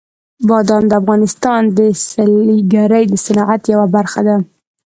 بادام د افغانستان د سیلګرۍ د صنعت یوه برخه ده.